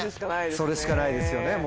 それしかないですよね。